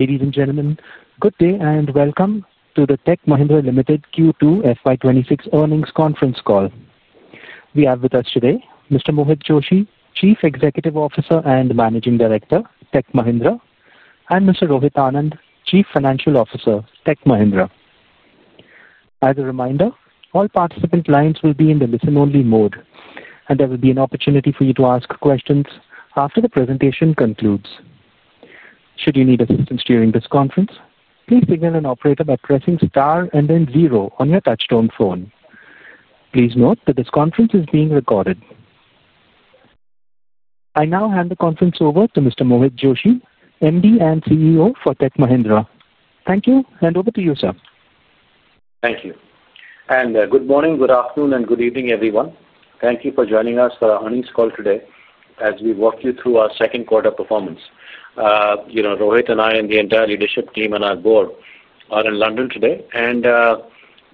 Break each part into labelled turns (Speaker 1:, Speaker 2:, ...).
Speaker 1: Ladies and gentlemen, good day and welcome to the Tech Mahindra Limited Q2 FY26 earnings conference call. We have with us today Mr. Mohit Joshi, Chief Executive Officer and Managing Director, Tech Mahindra, and Mr. Rohit Anand, Chief Financial Officer, Tech Mahindra. As a reminder, all participant lines will be in the listen-only mode, and there will be an opportunity for you to ask questions after the presentation concludes. Should you need assistance during this conference, please signal an operator by pressing star and then zero on your touchtone phone. Please note that this conference is being recorded. I now hand the conference over to Mr. Mohit Joshi, MD and CEO for Tech Mahindra. Thank you, and over to you, sir.
Speaker 2: Thank you. Good morning, good afternoon, and good evening, everyone. Thank you for joining us for our earnings call today as we walk you through our second quarter performance. Rohit and I and the entire leadership team and our board are in London today, and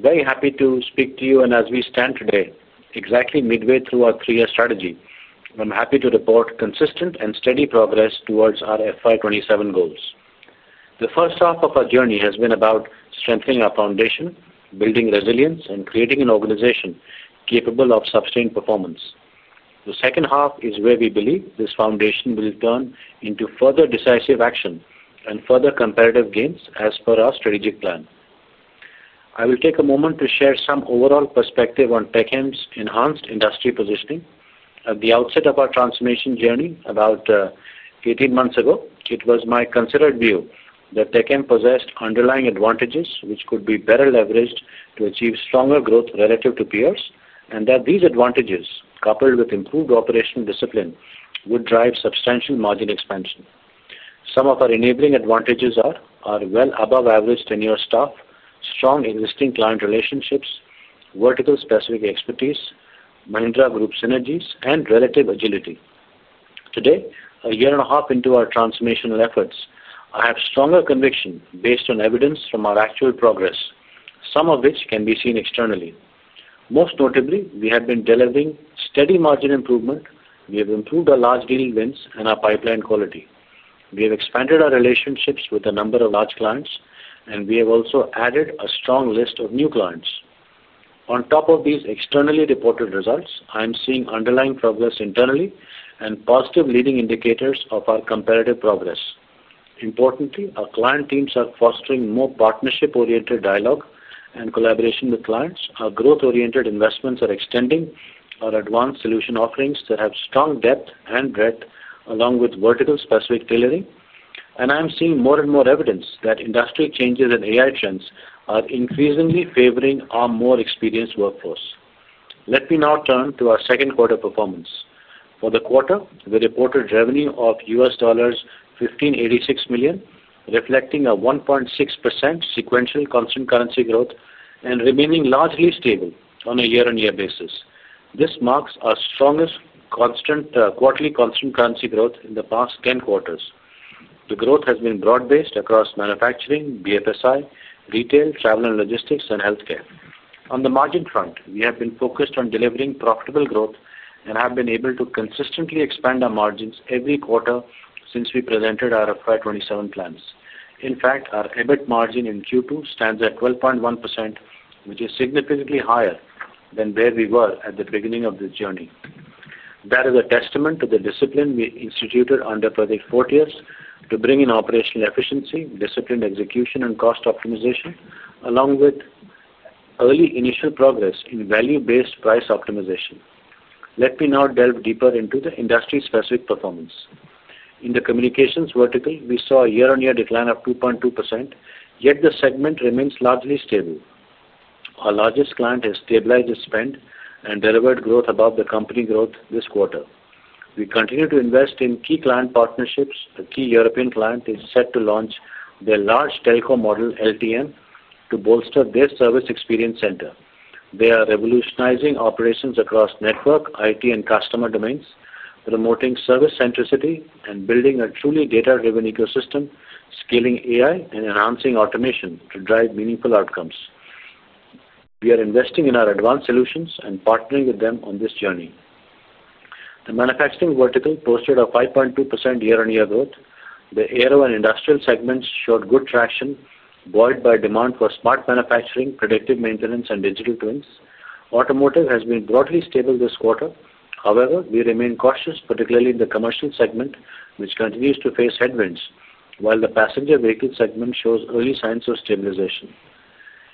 Speaker 2: very happy to speak to you. As we stand today, exactly midway through our three-year strategy, I'm happy to report consistent and steady progress towards our FY27 goals. The first half of our journey has been about strengthening our foundation, building resilience, and creating an organization capable of sustained performance. The second half is where we believe this foundation will turn into further decisive action and further comparative gains as per our strategic plan. I will take a moment to share some overall perspective on Tech Mahindra's enhanced industry positioning. At the outset of our transformation journey, about 18 months ago, it was my considered view that Tech Mahindra possessed underlying advantages which could be better leveraged to achieve stronger growth relative to peers, and that these advantages, coupled with improved operational discipline, would drive substantial margin expansion. Some of our enabling advantages are our well-above-average tenure staff, strong existing client relationships, vertical-specific expertise, Mahindra Group synergies, and relative agility. Today, a year and a half into our transformational efforts, I have stronger conviction based on evidence from our actual progress, some of which can be seen externally. Most notably, we have been delivering steady margin improvement. We have improved our large gaining wins and our pipeline quality. We have expanded our relationships with a number of large clients, and we have also added a strong list of new clients. On top of these externally reported results, I am seeing underlying progress internally and positive leading indicators of our comparative progress. Importantly, our client teams are fostering more partnership-oriented dialogue and collaboration with clients. Our growth-oriented investments are extending our advanced solution offerings that have strong depth and breadth, along with vertical-specific tailoring. I am seeing more and more evidence that industry changes and AI trends are increasingly favoring our more experienced workforce. Let me now turn to our second quarter performance. For the quarter, the reported revenue of $1,586 million, reflecting a 1.6% sequential constant currency growth and remaining largely stable on a year-on-year basis. This marks our strongest quarterly constant currency growth in the past 10 quarters. The growth has been broad-based across manufacturing, BFSI, retail, travel and logistics, and healthcare. On the margin front, we have been focused on delivering profitable growth and have been able to consistently expand our margins every quarter since we presented our FY27 plans. In fact, our EBIT margin in Q2 stands at 12.1%, which is significantly higher than where we were at the beginning of this journey. That is a testament to the discipline we instituted under project Fortius to bring in operational efficiency, disciplined execution, and cost optimization, along with early initial progress in value-based price optimization. Let me now delve deeper into the industry-specific performance. In the communications vertical, we saw a year-on-year decline of 2.2%, yet the segment remains largely stable. Our largest client has stabilized its spend and delivered growth above the company growth this quarter. We continue to invest in key client partnerships. A key European client is set to launch their large telecom model, LTM, to bolster their service experience center. They are revolutionizing operations across network, IT, and customer domains, promoting service centricity and building a truly data-driven ecosystem, scaling AI, and enhancing automation to drive meaningful outcomes. We are investing in our advanced solutions and partnering with them on this journey. The manufacturing vertical posted a 5.2% year-on-year growth. The aero and industrial segments showed good traction, buoyed by demand for smart manufacturing, predictive maintenance, and digital twins. Automotive has been broadly stable this quarter. However, we remain cautious, particularly in the commercial segment, which continues to face headwinds, while the passenger vehicle segment shows early signs of stabilization.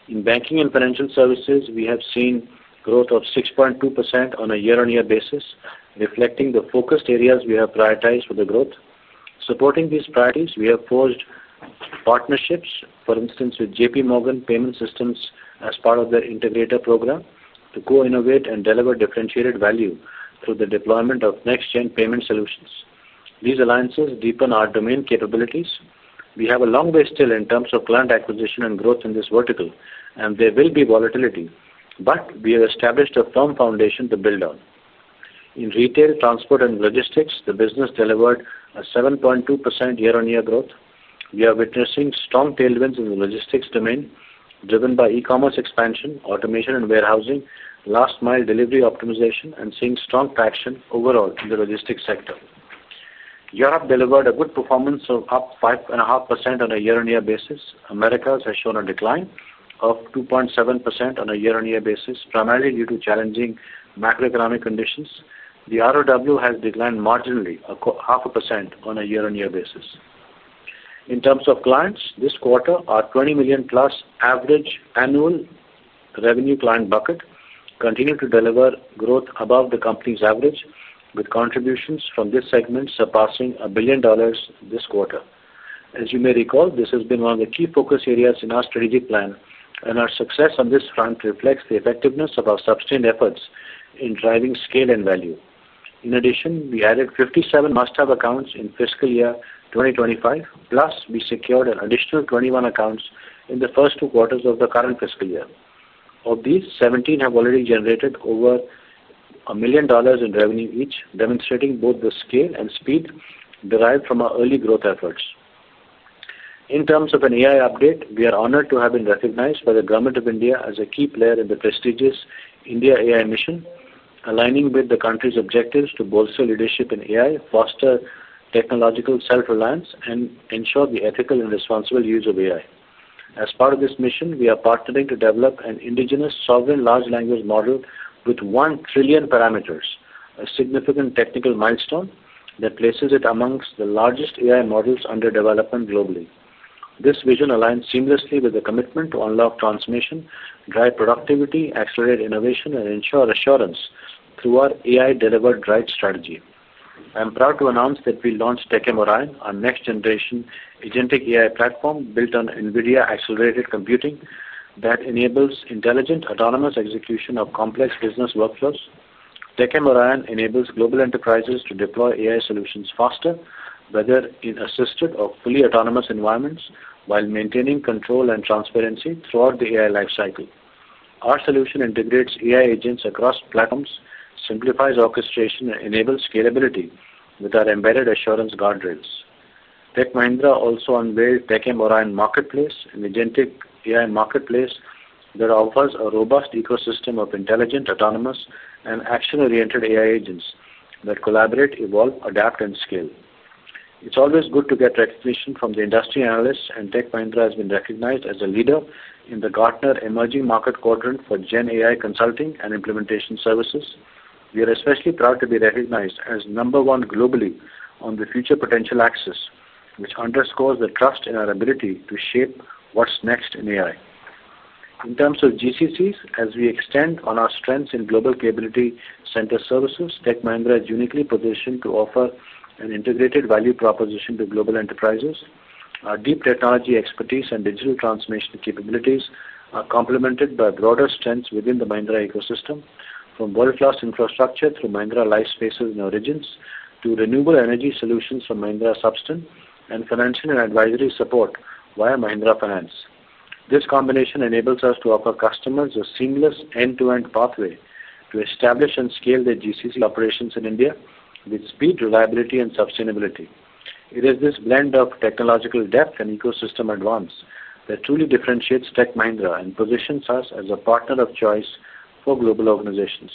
Speaker 2: In banking and financial services, we have seen growth of 6.2% on a year-on-year basis, reflecting the focused areas we have prioritized for the growth. Supporting these priorities, we have forged partnerships, for instance, with JPMorgan Payment Systems as part of their integrator program to co-innovate and deliver differentiated value through the deployment of next-gen payment solutions. These alliances deepen our domain capabilities. We have a long way still in terms of client acquisition and growth in this vertical, and there will be volatility, but we have established a firm foundation to build on. In retail, transport, and logistics, the business delivered a 7.2% year-on-year growth. We are witnessing strong tailwinds in the logistics domain, driven by e-commerce expansion, automation and warehousing, last-mile delivery optimization, and seeing strong traction overall in the logistics sector. Europe delivered a good performance of up 5.5% on a year-on-year basis. Americas has shown a decline of 2.7% on a year-on-year basis, primarily due to challenging macroeconomic conditions. The ROW has declined marginally 0.5% on a year-on-year basis. In terms of clients, this quarter, our $20 million-plus average annual revenue client bucket continued to deliver growth above the company's average, with contributions from this segment surpassing $1 billion this quarter. As you may recall, this has been one of the key focus areas in our strategic plan, and our success on this front reflects the effectiveness of our subsequent efforts in driving scale and value. In addition, we added 57 must-have accounts in fiscal year 2025, plus we secured an additional 21 accounts in the first two quarters of the current fiscal year. Of these, 17 have already generated over $1 million in revenue each, demonstrating both the scale and speed derived from our early growth efforts. In terms of an AI update, we are honored to have been recognized by the Government of India as a key player in the prestigious India AI Mission, aligning with the country's objectives to bolster leadership in AI, foster technological self-reliance, and ensure the ethical and responsible use of AI. As part of this mission, we are partnering to develop an indigenous sovereign large language model with 1 trillion parameters, a significant technical milestone that places it amongst the largest AI models under development globally. This vision aligns seamlessly with the commitment to unlock transformation, drive productivity, accelerate innovation, and ensure assurance through our AI-delivered drive strategy. I'm proud to announce that we launched TechMRI, our next-generation agentic AI platform built on NVIDIA accelerated computing that enables intelligent autonomous execution of complex business workflows. TechMRI enables global enterprises to deploy AI solutions faster, whether in assisted or fully autonomous environments, while maintaining control and transparency throughout the AI lifecycle. Our solution integrates AI agents across platforms, simplifies orchestration, and enables scalability with our embedded assurance guardrails. Tech Mahindra also unveiled TechMRI in the marketplace, an agentic AI marketplace that offers a robust ecosystem of intelligent, autonomous, and action-oriented AI agents that collaborate, evolve, adapt, and scale. It's always good to get recognition from the industry analysts, and Tech Mahindra has been recognized as a leader in the Gartner emerging market quadrant for Gen AI consulting and implementation services. We are especially proud to be recognized as number one globally on the future potential axis, which underscores the trust in our ability to shape what's next in AI. In terms of GCCs, as we extend on our strengths in global capability center services, Tech Mahindra is uniquely positioned to offer an integrated value proposition to global enterprises. Our deep technology expertise and digital transformation capabilities are complemented by broader strengths within the Mahindra ecosystem, from world-class infrastructure through Mahindra Life Spaces and Origins to renewable energy solutions from Mahindra Substance and financial and advisory support via Mahindra Finance. This combination enables us to offer customers a seamless end-to-end pathway to establish and scale their GCC operations in India with speed, reliability, and sustainability. It is this blend of technological depth and ecosystem advance that truly differentiates Tech Mahindra and positions us as a partner of choice for global organizations.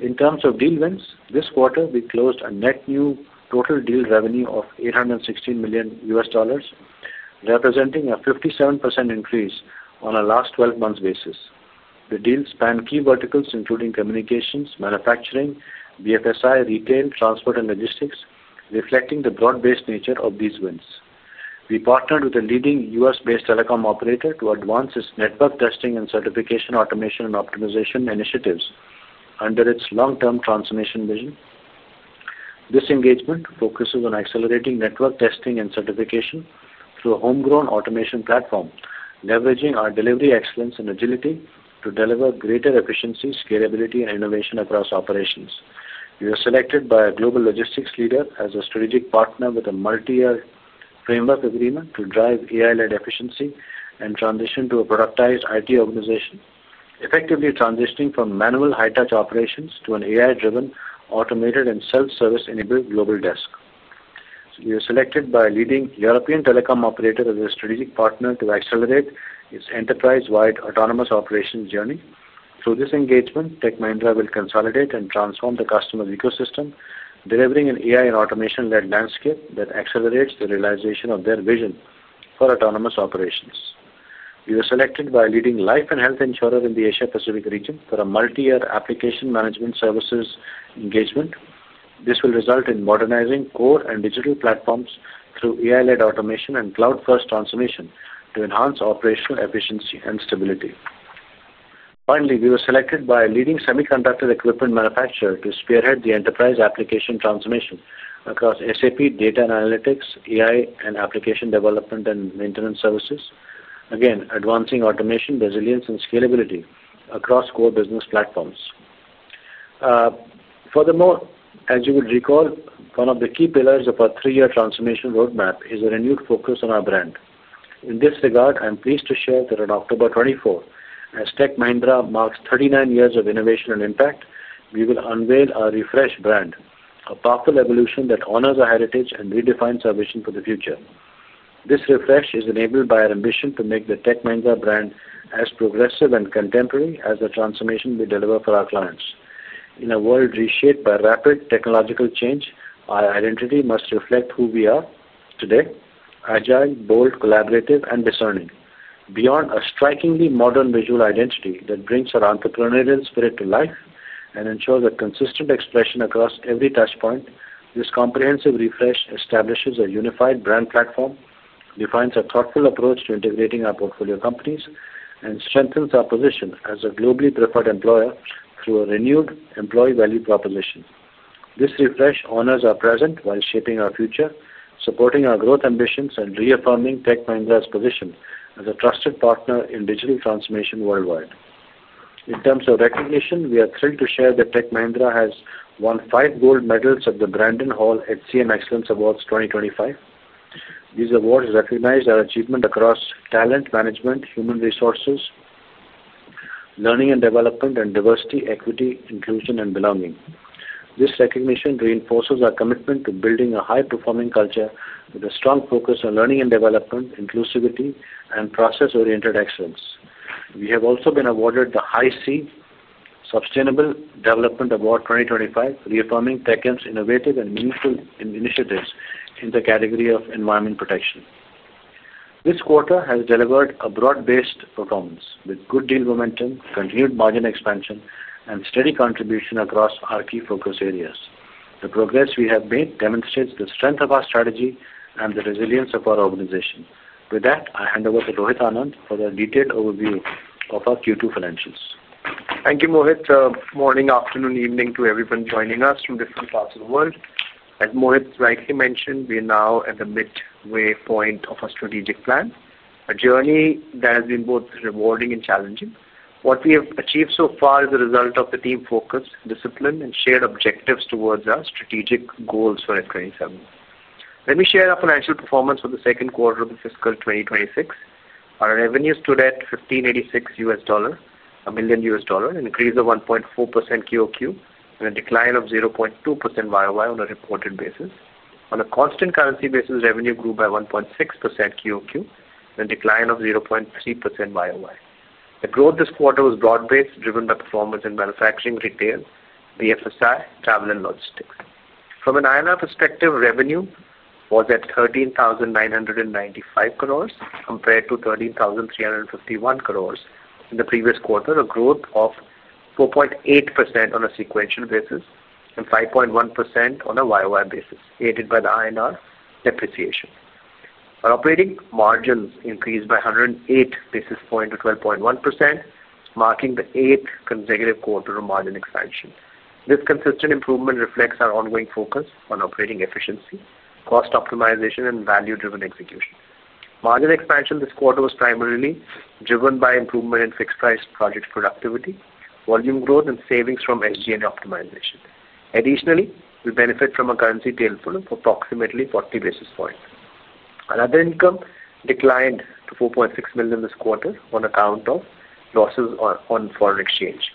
Speaker 2: In terms of deal wins, this quarter, we closed a net new total deal revenue of $816 million, representing a 57% increase on a last 12 months basis. The deals span key verticals, including communications, manufacturing, BFSI, retail, transport, and logistics, reflecting the broad-based nature of these wins. We partnered with a leading U.S.-based telecom operator to advance its network testing and certification automation and optimization initiatives under its long-term transformation vision. This engagement focuses on accelerating network testing and certification through a homegrown automation platform, leveraging our delivery excellence and agility to deliver greater efficiency, scalability, and innovation across operations. We were selected by a global logistics leader as a strategic partner with a multi-year framework agreement to drive AI-led efficiency and transition to a productized IT organization, effectively transitioning from manual high-touch operations to an AI-driven, automated, and self-service-enabled global desk. We were selected by a leading European telecom operator as a strategic partner to accelerate its enterprise-wide autonomous operations journey. Through this engagement, Tech Mahindra will consolidate and transform the customer ecosystem, delivering an AI and automation-led landscape that accelerates the realization of their vision for autonomous operations. We were selected by a leading life and health insurer in the Asia-Pacific region for a multi-year application management services engagement. This will result in modernizing core and digital platforms through AI-led automation and cloud-first transformation to enhance operational efficiency and stability. Finally, we were selected by a leading semiconductor equipment manufacturer to spearhead the enterprise application transformation across SAP data and analytics, AI and application development and maintenance services, again, advancing automation, resilience, and scalability across core business platforms. Furthermore, as you would recall, one of the key pillars of our three-year transformation roadmap is a renewed focus on our brand. In this regard, I'm pleased to share that on October 24, as Tech Mahindra marks 39 years of innovation and impact, we will unveil our refreshed brand, a powerful evolution that honors our heritage and redefines our vision for the future. This refresh is enabled by our ambition to make the Tech Mahindra brand as progressive and contemporary as the transformation we deliver for our clients. In a world reshaped by rapid technological change, our identity must reflect who we are today: agile, bold, collaborative, and discerning. Beyond a strikingly modern visual identity that brings our entrepreneurial spirit to life and ensures a consistent expression across every touchpoint, this comprehensive refresh establishes a unified brand platform, defines a thoughtful approach to integrating our portfolio companies, and strengthens our position as a globally preferred employer through a renewed employee value proposition. This refresh honors our present while shaping our future, supporting our growth ambitions, and reaffirming Tech Mahindra's position as a trusted partner in digital transformation worldwide. In terms of recognition, we are thrilled to share that Tech Mahindra has won five gold medals at the Brandon Hall and CM Excellence Awards 2025. These awards recognize our achievement across talent management, human resources, learning and development, and diversity, equity, inclusion, and belonging. This recognition reinforces our commitment to building a high-performing culture with a strong focus on learning and development, inclusivity, and process-oriented excellence. We have also been awarded the High Sea Sustainable Development Award 2025, reaffirming Tech Mahindra's innovative and meaningful initiatives in the category of environment protection. This quarter has delivered a broad-based performance with good deal momentum, continued margin expansion, and steady contribution across our key focus areas. The progress we have made demonstrates the strength of our strategy and the resilience of our organization. With that, I hand over to Rohit Anand for the detailed overview of our Q2 financials.
Speaker 1: Thank you, Mohit. Morning, afternoon, and evening to everyone joining us from different parts of the world. As Mohit rightly mentioned, we are now at the midway point of our strategic plan, a journey that has been both rewarding and challenging. What we have achieved so far is a result of the team focus, discipline, and shared objectives towards our strategic goals for FY27. Let me share our financial performance for the second quarter of the fiscal 2026. Our revenue stood at $1,586 million, an increase of 1.4% QOQ and a decline of 0.2% YOY on a reported basis. On a constant currency basis, revenue grew by 1.6% QOQ and declined by 0.3% YOY. The growth this quarter was broad-based, driven by performance in manufacturing, retail, BFSI, travel, and logistics. From an INR perspective, revenue was at 13,995 crores compared to 13,351 crores in the previous quarter, a growth of 4.8% on a sequential basis and 5.1% on a YOY basis, aided by the INR depreciation. Our operating margins increased by 108 basis points to 12.1%, marking the eighth consecutive quarter of margin expansion. This consistent improvement reflects our ongoing focus on operational efficiency, cost optimization, and value-driven execution. Margin expansion this quarter was primarily driven by improvement in fixed-price project productivity, volume growth, and savings from SG&A optimization. Additionally, we benefited from a currency tail flow of approximately 40 basis points. Other income declined to $4.6 million this quarter on account of losses on foreign exchange.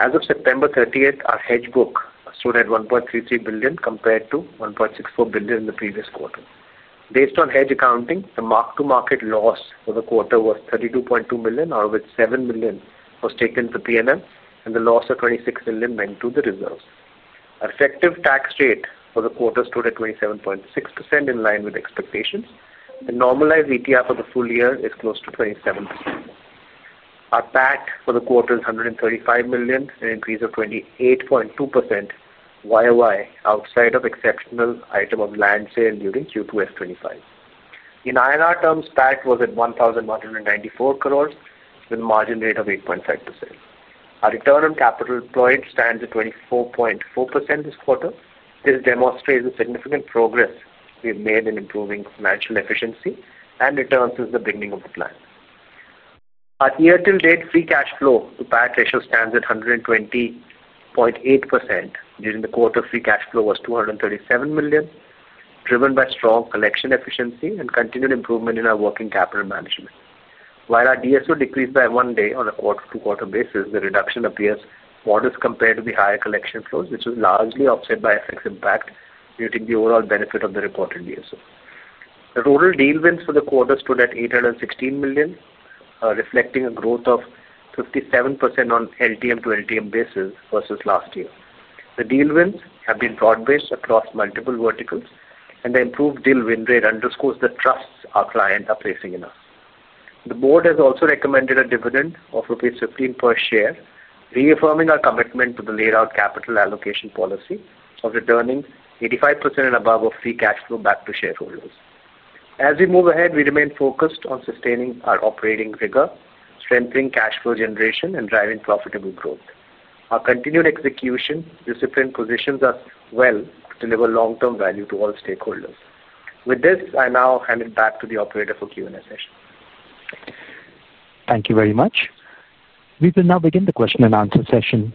Speaker 1: As of September 30, our hedge book stood at $1.33 billion compared to $1.64 billion in the previous quarter. Based on hedge accounting, the mark-to-market loss for the quarter was $32.2 million, out of which $7 million was taken to P&L, and the loss of $26 million went to the reserves. Our effective tax rate for the quarter stood at 27.6% in line with expectations. The normalized ETR for the full year is close to 27%. Our PAT for the quarter is $135 million, an increase of 28.2% YOY outside of exceptional item of land sale during Q2 FY25. In INR terms, PAT was at 1,194 crores with a margin rate of 8.5%. Our return on capital employed stands at 24.4% this quarter. This demonstrates the significant progress we have made in improving financial efficiency and return since the beginning of the plan. Our year-to-date free cash flow to PAT ratio stands at 120.8%. During the quarter, free cash flow was $237 million, driven by strong collection efficiency and continued improvement in our working capital management. While our DSO decreased by one day on a quarter-to-quarter basis, the reduction appears modest compared to the higher collection flows, which was largely offset by FX impact, muting the overall benefit of the reported DSO. The total deal wins for the quarter stood at $816 million, reflecting a growth of 57% on LTM to LTM basis versus last year. The deal wins have been broad-based across multiple verticals, and the improved deal win rate underscores the trust our clients are placing in us. The Board has also recommended a dividend of rupees 15 per share, reaffirming our commitment to the laid-out capital allocation policy of returning 85% and above of free cash flow back to shareholders. As we move ahead, we remain focused on sustaining our operating rigor, strengthening cash flow generation, and driving profitable growth. Our continued execution discipline positions us well to deliver long-term value to all stakeholders. With this, I now hand it back to the operator for the Q&A session.
Speaker 2: Thank you very much. We will now begin the question and answer session.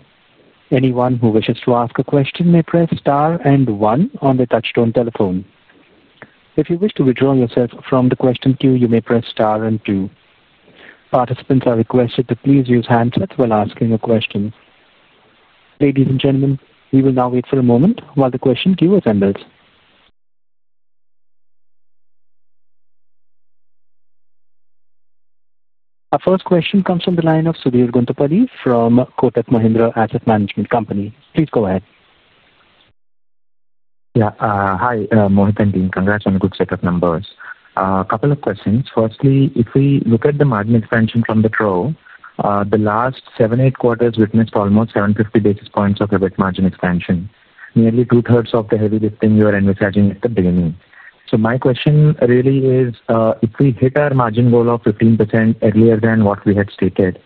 Speaker 2: Anyone who wishes to ask a question may press star and one on the touchtone telephone. If you wish to withdraw yourself from the question queue, you may press star and two. Participants are requested to please use handsets while asking your questions. Ladies and gentlemen, we will now wait for a moment while the question queue is handled. Our first question comes from the line of Sudhir Gundapadi from Kotak Mahindra Asset Management Company. Please go ahead. Yeah. Hi, Mohit and Dean. Congrats on a good set of numbers. A couple of questions. Firstly, if we look at the margin expansion from the trough, the last seven or eight quarters witnessed almost 750 basis points of EBIT margin expansion, nearly two-thirds of the heavy lifting you were envisaging at the beginning. My question really is, if we hit our margin goal of 15% earlier than what we had stated,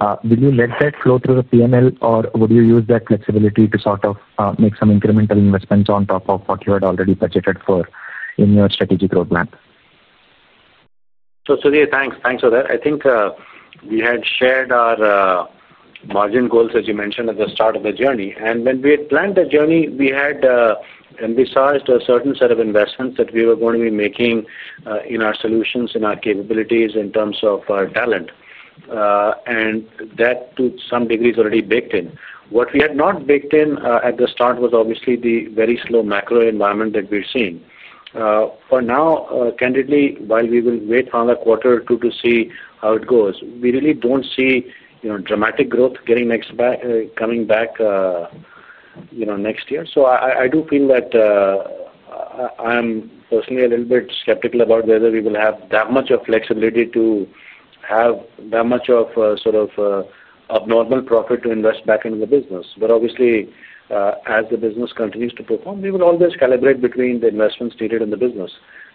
Speaker 2: will you let that flow through the P&L, or would you use that flexibility to make some incremental investments on top of what you had already budgeted for in your strategic roadmap? Sudhir, thanks. Thanks for that. I think we had shared our margin goals, as you mentioned, at the start of the journey. When we had planned the journey, we had envisaged a certain set of investments that we were going to be making in our solutions, in our capabilities in terms of our talent. That, to some degree, is already baked in. What we had not baked in at the start was obviously the very slow macro environment that we've seen. For now, candidly, while we will wait another quarter or two to see how it goes, we really don't see dramatic growth coming back next year. I do feel that I am personally a little bit skeptical about whether we will have that much flexibility to have that much sort of abnormal profit to invest back into the business. Obviously, as the business continues to perform, we will always calibrate between the investments needed in the business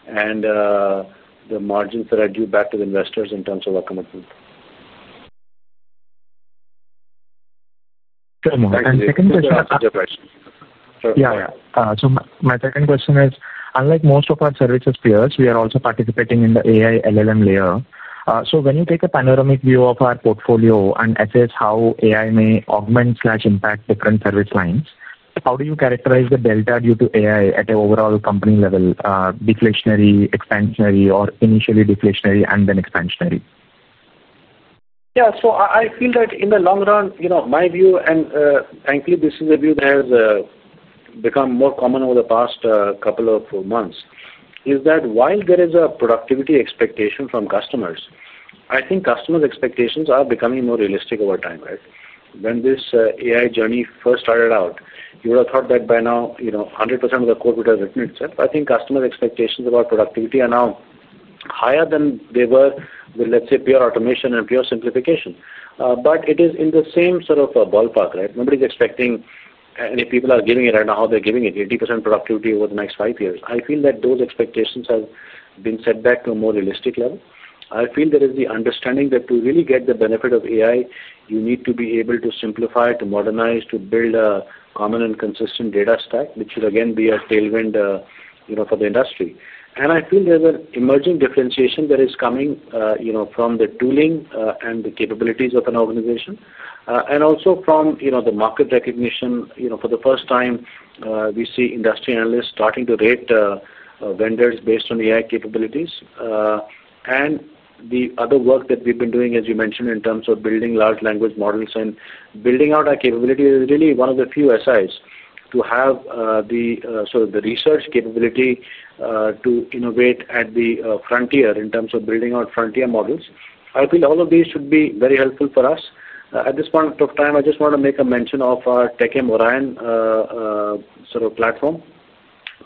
Speaker 2: and the margins that are due back to the investors in terms of our commitment. Good, Mohit. The second question is a question. Sure. Yeah, yeah. My second question is, unlike most of our services peers, we are also participating in the AI LLM layer. When you take a panoramic view of our portfolio and assess how AI may augment or impact different service lines, how do you characterize the delta due to AI at an overall company level? Declinationary, expansionary, or initially declinationary and then expansionary? Yeah. I feel that in the long run, you know my view, and frankly, this is a view that has become more common over the past couple of months, is that while there is a productivity expectation from customers, I think customers' expectations are becoming more realistic over time, right? When this AI journey first started out, you would have thought that by now, you know 100% of the code would have written itself. I think customers' expectations about productivity are now higher than they were with, let's say, pure automation and pure simplification. It is in the same sort of ballpark, right? Nobody's expecting any people are giving it right now how they're giving it, 80% productivity over the next five years. I feel that those expectations have been set back to a more realistic level. I feel there is the understanding that to really get the benefit of AI, you need to be able to simplify, to modernize, to build a common and consistent data stack, which should again be a tailwind for the industry. I feel there's an emerging differentiation that is coming from the tooling and the capabilities of an organization and also from the market recognition. For the first time, we see industry analysts starting to rate vendors based on AI capabilities. The other work that we've been doing, as you mentioned, in terms of building large language models and building out our capability is really one of the few SIs to have the sort of the research capability to innovate at the frontier in terms of building out frontier models. I feel all of these should be very helpful for us. At this point of time, I just want to make a mention of our TechM Orion sort of platform.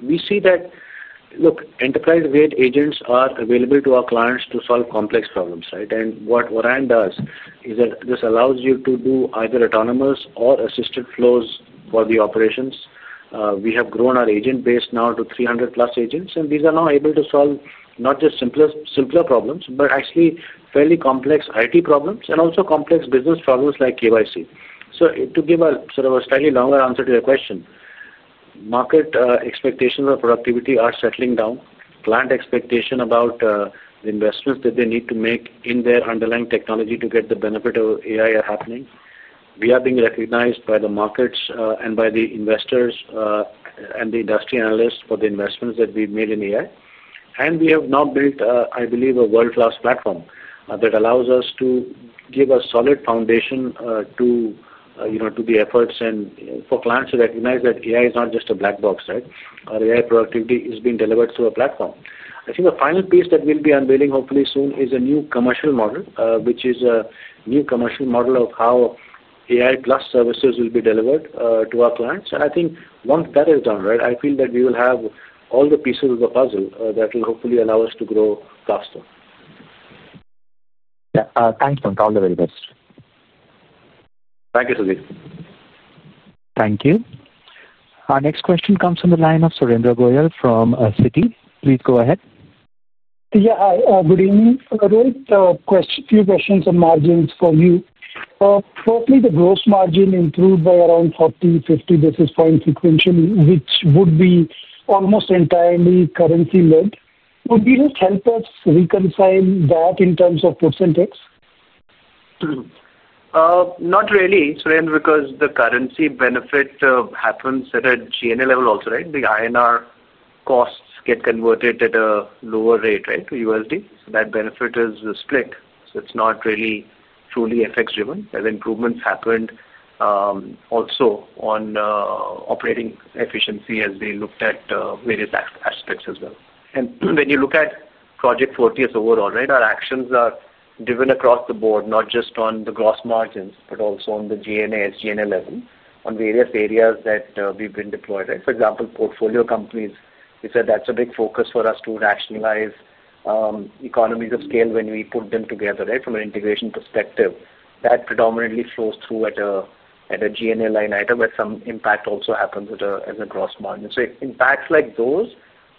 Speaker 2: We see that, look, enterprise-grade agents are available to our clients to solve complex problems, right? What Orion does is that this allows you to do either autonomous or assisted flows for the operations. We have grown our agent base now to 300+ agents, and these are now able to solve not just simpler problems, but actually fairly complex IT problems and also complex business problems like KYC. To give a slightly longer answer to your question, market expectations of productivity are settling down. Client expectation about the investments that they need to make in their underlying technology to get the benefit of AI are happening. We are being recognized by the markets and by the investors and the industry analysts for the investments that we've made in AI. We have now built, I believe, a world-class platform that allows us to give a solid foundation to the efforts and for clients to recognize that AI is not just a black box, right? Our AI productivity is being delivered through a platform. I think the final piece that we'll be unveiling hopefully soon is a new commercial model, which is a new commercial model of how AI plus services will be delivered to our clients. I think once that is done, right, I feel that we will have all the pieces of the puzzle that will hopefully allow us to grow faster. Yeah, thanks, Mohit. All the very best. Thank you, Sudhir. Thank you. Our next question comes from the line of Surendra Goyal from Citi. Please go ahead. Hi. Good evening. A few questions on margins for you. Currently, the gross margin improved by around 40-50 basis points sequentially, which would be almost entirely currency-led. Would you just help us reconcile that in terms of %? Not really, Surendra, because the currency benefit happens at a GNL level also, right? The INR costs get converted at a lower rate, right, to USD. That benefit is split. It's not really truly FX-driven. Improvements happened also on operating efficiency as they looked at various aspects as well. When you look at project Fortius overall, our actions are driven across the board, not just on the gross margins, but also on the GNL level on various areas that we've been deployed. For example, portfolio companies, we said that's a big focus for us to rationalize, economies of scale when we put them together from an integration perspective. That predominantly flows through at a GNL line item, but some impact also happens as a gross margin. Impacts like those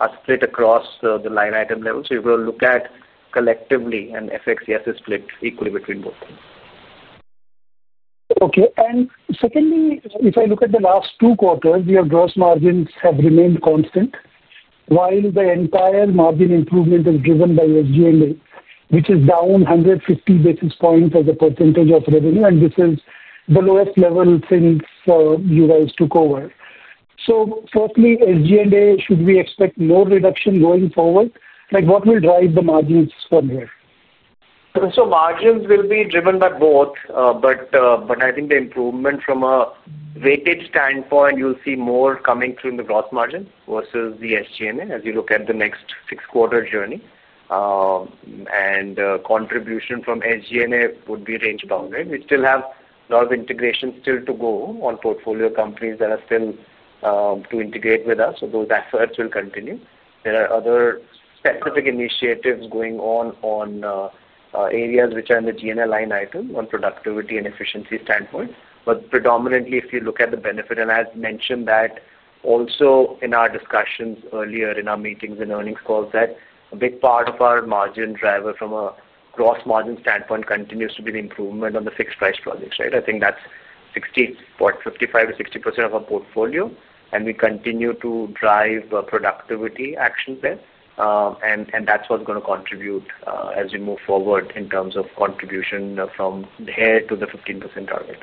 Speaker 2: are split across the line item level. You've got to look at collectively, and FX, yes, is split equally between both things. Okay. Secondly, if I look at the last two quarters, your gross margins have remained constant while the entire margin improvement is driven by SG&A, which is down 150 basis points as a % of revenue. This is the lowest level since you guys took over. Firstly, SG&A, should we expect more reduction going forward? What will drive the margins from here? Margins will be driven by both, but I think the improvement from a weighted standpoint, you'll see more coming through in the gross margins versus the SG&A as you look at the next six-quarter journey. Contribution from SG&A would be ranged down, right? We still have a lot of integration still to go on portfolio companies that are still to integrate with us, so those efforts will continue. There are other specific initiatives going on in areas which are in the GNL line item on productivity and efficiency standpoint. Predominantly, if you look at the benefit, and I've mentioned that also in our discussions earlier in our meetings and earnings calls, a big part of our margin driver from a gross margin standpoint continues to be the improvement on the fixed price projects, right? I think that's 65% to 60% of our portfolio, and we continue to drive productivity actions there. That's what's going to contribute as we move forward in terms of contribution from here to the 15% target.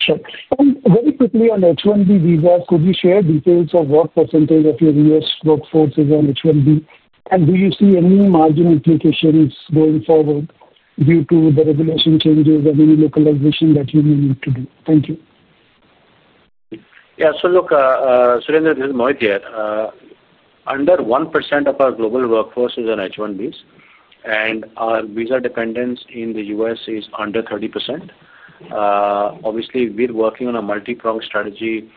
Speaker 2: Sure. Very quickly, on H1B visas, could you share details of what % of your U.S. workforce is on H1B, and do you see any margin implications going forward due to the regulation changes and any localization that you may need to do? Thank you. Yeah. So look, Surendra, this is Mohit here. Under 1% of our global workforce is on H1B visas, and our visa dependence in the U.S. is under 30%. Obviously, we're working on a multiprong strategy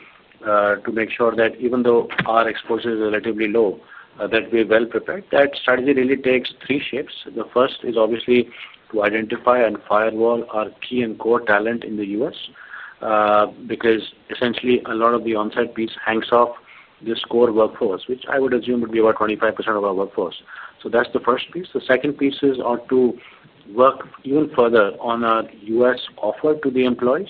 Speaker 2: to make sure that even though our exposure is relatively low, we're well prepared. That strategy really takes three shapes. The first is to identify and firewall our key and core talent in the U.S. because essentially a lot of the onsite piece hangs off this core workforce, which I would assume would be about 25% of our workforce. That's the first piece. The second piece is to work even further on our U.S. offer to the employees,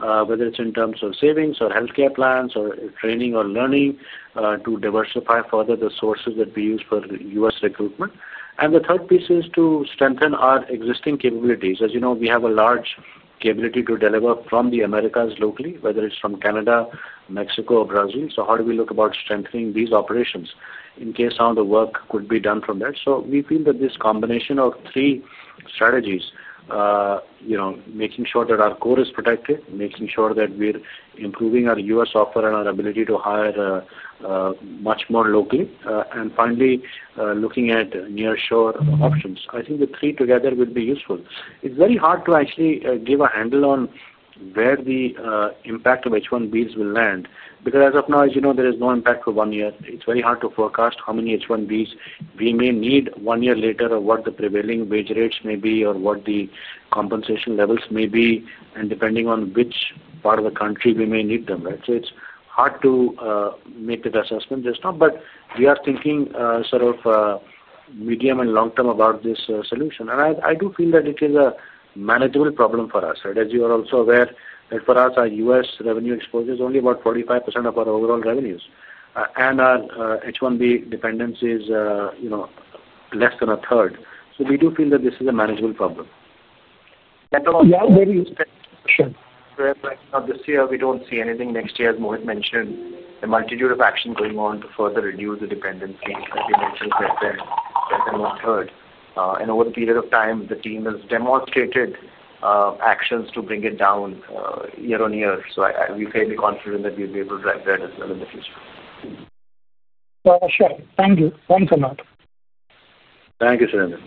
Speaker 2: whether it's in terms of savings or healthcare plans or training or learning, to diversify further the sources that we use for U.S. recruitment. The third piece is to strengthen our existing capabilities. As you know, we have a large capability to deliver from the Americas locally, whether it's from Canada, Mexico, or Brazil. How do we look about strengthening these operations in case some of the work could be done from there? We feel that this combination of three strategies, making sure that our core is protected, making sure that we're improving our U.S. offer and our ability to hire much more locally, and finally, looking at nearshore options, the three together would be useful. It's very hard to actually give a handle on where the impact of H1B visas will land because as of now, as you know, there is no impact for one year. It's very hard to forecast how many H1B visas we may need one year later or what the prevailing wage rates may be or what the compensation levels may be, and depending on which part of the country we may need them, right? It's hard to make that assessment just now, but we are thinking sort of medium and long term about this solution. I do feel that it is a manageable problem for us, right? As you are also aware, for us, our U.S. revenue exposure is only about 45% of our overall revenues, and our H1B dependence is less than a third. We do feel that this is a manageable problem. Yeah, very useful. Sure. We're planning on this year. We don't see anything next year, as Mohit mentioned. The multitude of actions going on to further reduce the dependency, as you mentioned, is less than one third. Over the period of time, the team has demonstrated actions to bring it down year on year. We're fairly confident that we'll be able to drive that as well in the future. Sure, thank you. Thanks a lot. Thank you, Surendra.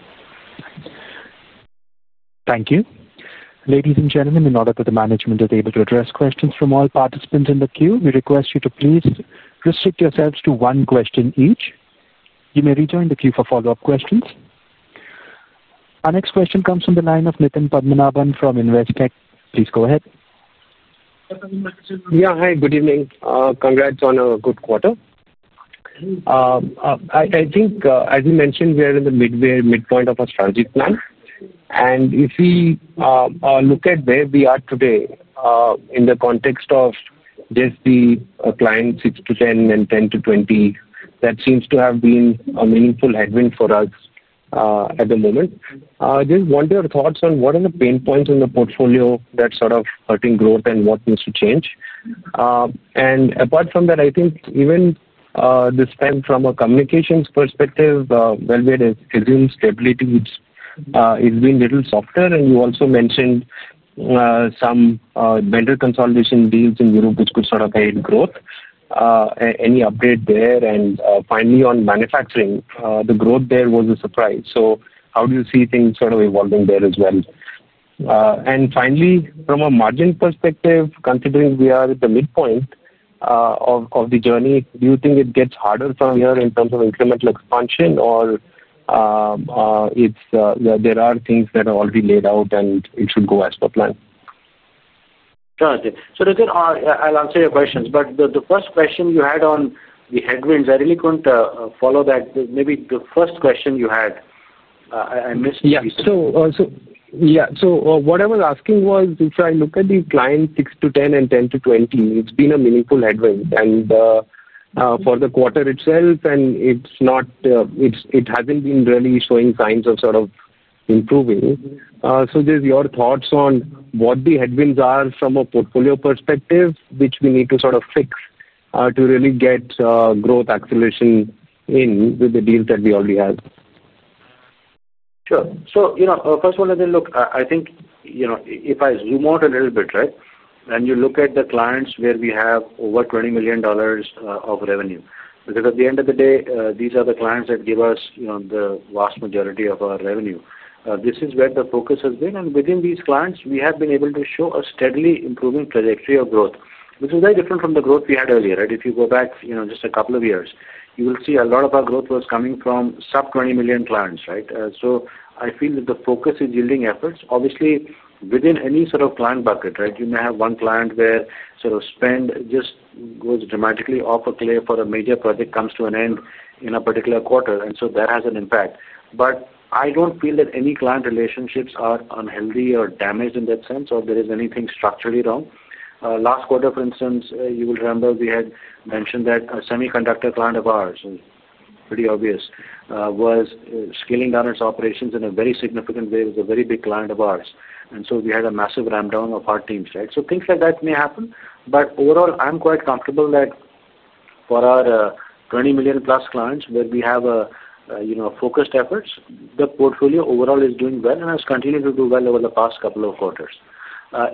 Speaker 2: Thank you. Ladies and gentlemen, in order that the management is able to address questions from all participants in the queue, we request you to please restrict yourselves to one question each. You may rejoin the queue for follow-up questions. Our next question comes from the line of Nithan Padmanabhan from InvestTech. Please go ahead. Yeah. Hi. Good evening. Congrats on a good quarter. I think, as you mentioned, we are in the midpoint of a strategy plan. If we look at where we are today in the context of just the client 6 to 10 and 10 to 20, that seems to have been a meaningful headwind for us at the moment. I just wonder your thoughts on what are the pain points in the portfolio that are sort of hurting growth and what needs to change. Apart from that, I think even this time from a communications perspective, we had assumed stability has been a little softer. You also mentioned some vendor consolidation deals in Europe, which could sort of aid growth. Any update there? Finally, on manufacturing, the growth there was a surprise. How do you see things sort of evolving there as well? Finally, from a margin perspective, considering we are at the midpoint of the journey, do you think it gets harder from here in terms of incremental expansion, or are there things that are already laid out and it should go as per plan? Got it. Let's answer your questions. The first question you had on the headwinds, I really couldn't follow that. Maybe the first question you had, I missed a piece. Yeah, what I was asking was if I look at the client 6 to 10 and 10 to 20, it's been a meaningful headwind. For the quarter itself, it hasn't been really showing signs of sort of improving. Just your thoughts on what the headwinds are from a portfolio perspective, which we need to sort of fix to really get growth acceleration in with the deals that we already have. Sure. First of all, I think if I zoom out a little bit and you look at the clients where we have over $20 million of revenue, because at the end of the day, these are the clients that give us the vast majority of our revenue. This is where the focus has been. Within these clients, we have been able to show a steadily improving trajectory of growth, which is very different from the growth we had earlier. If you go back just a couple of years, you will see a lot of our growth was coming from sub-$20 million clients. I feel that the focus is yielding efforts. Obviously, within any sort of client bucket, you may have one client where spend just goes dramatically off a cliff or a major project comes to an end in a particular quarter, and that has an impact. I don't feel that any client relationships are unhealthy or damaged in that sense or there is anything structurally wrong. Last quarter, for instance, you will remember we had mentioned that a semiconductor client of ours, and it's pretty obvious, was scaling down its operations in a very significant way with a very big client of ours, and we had a massive ramp down of our teams. Things like that may happen. Overall, I'm quite comfortable that for our $20 million-plus clients where we have focused efforts, the portfolio overall is doing well and has continued to do well over the past couple of quarters.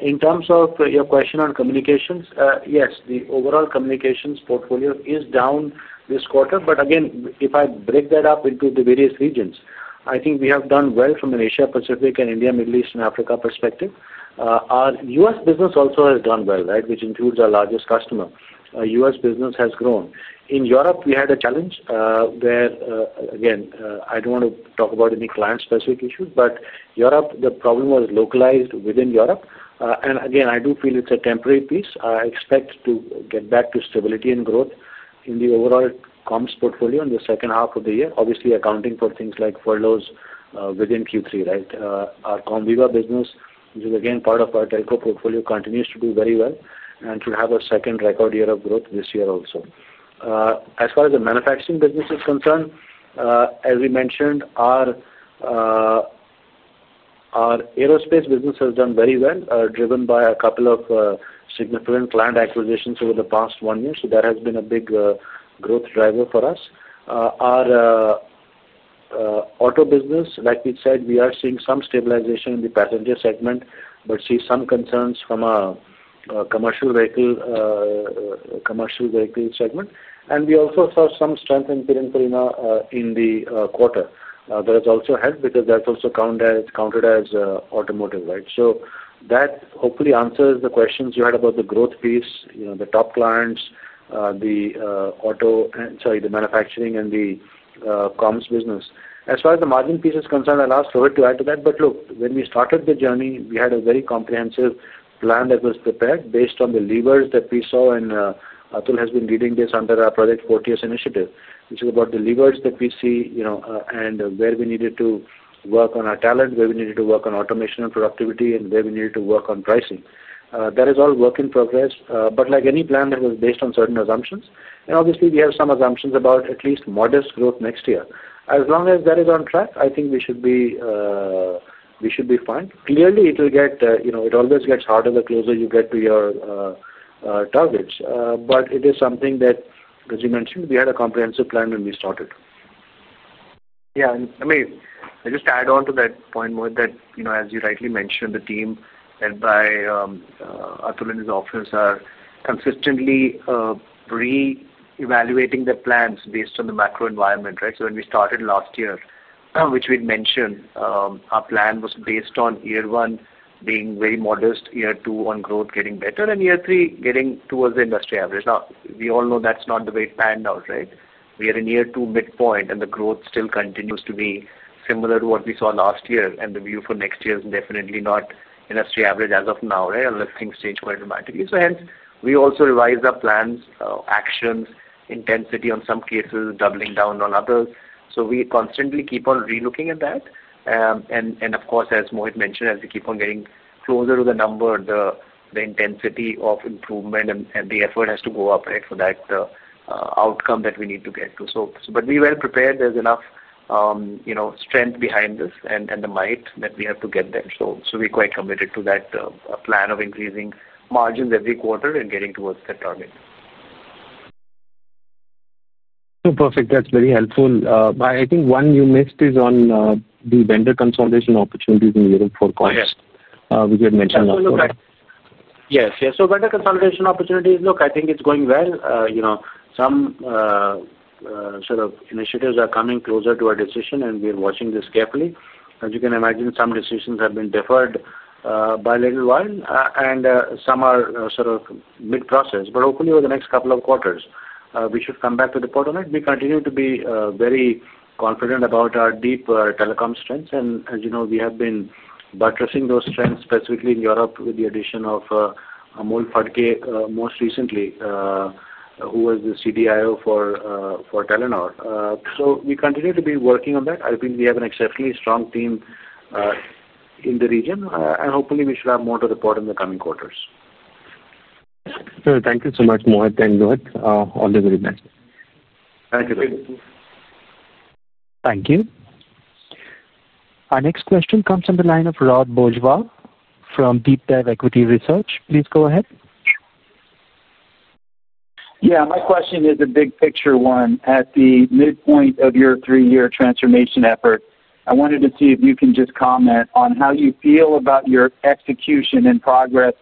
Speaker 2: In terms of your question on communications, yes, the overall communications portfolio is down this quarter. If I break that up into the various regions, I think we have done well from an Asia-Pacific and India, Middle East, and Africa perspective. Our U.S. business also has done well, which includes our largest customer. U.S. business has grown. In Europe, we had a challenge where, again, I don't want to talk about any client-specific issues, but Europe, the problem was localized within Europe. I do feel it's a temporary piece. I expect to get back to stability and growth in the overall comms portfolio in the second half of the year, obviously accounting for things like furloughs within Q3. Our Combiva business, which is again part of our telco portfolio, continues to do very well and should have a second record year of growth this year also. As far as the manufacturing business is concerned, as we mentioned, our aerospace business has done very well, driven by a couple of significant client acquisitions over the past one year. That has been a big growth driver for us. Our auto business, like we said, we are seeing some stabilization in the passenger segment, but see some concerns from a commercial vehicle segment. We also saw some strength in the quarter that has also helped because that's also counted as automotive, right? That hopefully answers the questions you had about the growth piece, you know the top clients, the auto, and sorry, the manufacturing and the comms business. As far as the margin piece is concerned, I'll ask Rohit to add to that. Look, when we started the journey, we had a very comprehensive plan that was prepared based on the levers that we saw. Atul has been leading this under our project Fortius initiative, which is about the levers that we see, you know, and where we needed to work on our talent, where we needed to work on automation and productivity, and where we needed to work on pricing. That is all work in progress. Like any plan, it was based on certain assumptions. Obviously, we have some assumptions about at least modest growth next year. As long as that is on track, I think we should be fine. Clearly, it always gets harder the closer you get to your targets. It is something that, as you mentioned, we had a comprehensive plan when we started. Let me just add on to that point, Mohit, that, you know, as you rightly mentioned, the team led by Atul in his office are consistently reevaluating their plans based on the macro environment, right? When we started last year, which we mentioned, our plan was based on year one being very modest, year two on growth getting better, and year three getting towards the industry average. We all know that's not the way it panned out, right? We are in year two midpoint, and the growth still continues to be similar to what we saw last year. The view for next year is definitely not industry average as of now, right, unless things change quite dramatically. Hence, we also revise our plans, actions, intensity on some cases, doubling down on others. We constantly keep on relooking at that. As Mohit mentioned, as we keep on getting closer to the number, the intensity of improvement and the effort has to go up, right, for that outcome that we need to get to. We are well prepared. There's enough strength behind this and the might that we have to get there. We're quite committed to that plan of increasing margins every quarter and getting towards that target. That's very helpful. I think one you missed is on the vendor consolidation opportunities in Europe for comms. We did mention that. Yes. Vendor consolidation opportunities, look, I think it's going well. Some sort of initiatives are coming closer to a decision, and we're watching this carefully. As you can imagine, some decisions have been deferred by a little while, and some are sort of mid-process. Hopefully, over the next couple of quarters, we should come back with a report on it. We continue to be very confident about our deep telecom strengths. As you know, we have been buttressing those strengths specifically in Europe with the addition of Amol Phadke most recently, who was the CDIO for Telenor. We continue to be working on that. I think we have an exceptionally strong team in the region, and hopefully, we should have more to report in the coming quarters. Thank you so much, Mohit and Rohit. All the very best. Thank you. Thank you. Our next question comes from the line of Rod Bojwal from DeepDev Equity Research. Please go ahead. My question is the big picture one. At the midpoint of your three-year transformation effort, I wanted to see if you can just comment on how you feel about your execution and progress,